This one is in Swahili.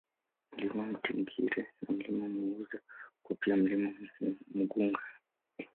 Mlima Mtingire na Mlima Mueza upo pia Mlima Mughunga